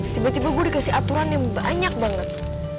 tiba tiba gue dikasih aturan yang banyak banget